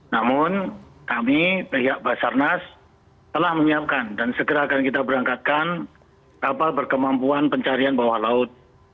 namun kami pihak basarnas telah menyiapkan dan segera akan kita berangkatkan kapal berkemampuan pencarian bawah laut